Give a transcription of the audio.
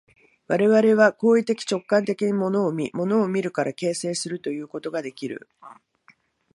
我々は行為的直観的に物を見、物を見るから形成するということができる。